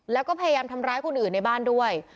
แล้วก็พยายามทำร้ายคนอื่นในบ้านด้วย